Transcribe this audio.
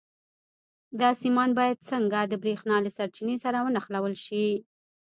دا سیمان باید څنګه د برېښنا له سرچینې سره ونښلول شي؟